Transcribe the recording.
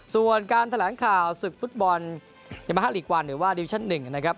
ส่วนการแถลงข่าวศึกฟุตบอลเยมาฮาลีกวันหรือว่าดิวิชั่น๑นะครับ